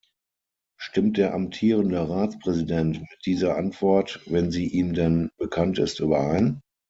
Stimmt der amtierende Ratspräsident mit dieser Antwort, wenn sie ihm denn bekannt ist, überein?